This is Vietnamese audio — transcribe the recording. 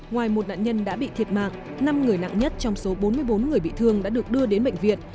ngoài một nạn nhân đã bị thiệt mạng năm người nặng nhất trong số bốn mươi bốn người bị thương đã được đưa đến bệnh viện